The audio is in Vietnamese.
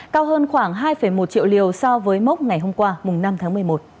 cao hơn khoảng hai một triệu liều so với mốc ngày hôm qua năm tháng một mươi một